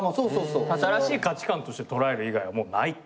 新しい価値観として捉える以外はもうないっていうか。